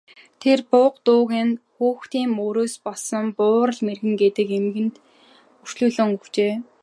Тэр буга дүүг нь хүүхдийн мөрөөс болсон Буурал мэргэн гэдэг эмгэнд үрчлүүлээд өгчихжээ.